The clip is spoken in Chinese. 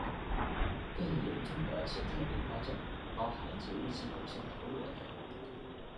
更严重的潜在并发症包含节育器本身脱落等。